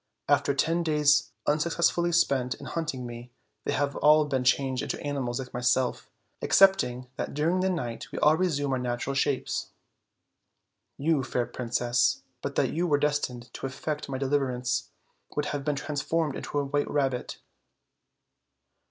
After ten days unsuccessfully spent in hunting me, they have all been changed into animals like myself, excepting that during the night we all resume our natural shapes. You, fair princess, but that you were destined to effect my deliver ance, would have been transformed into a white rabbit."